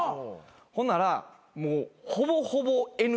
ほんならもうほぼほぼＮＧ。